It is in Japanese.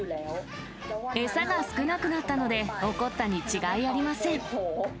餌が少なくなったので、怒ったに違いありません。